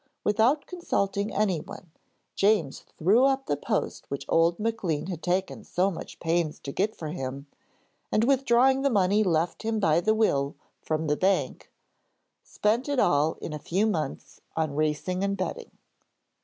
Without consulting anyone, James threw up the post which old Maclean had taken so much pains to get for him, and withdrawing the money left him by the will, from the bank, spent it all in a few months on racing and betting.